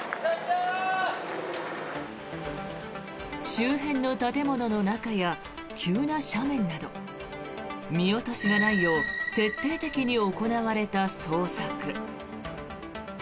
周辺の建物の中や急な斜面など見落としがないよう徹底的に行われた捜索。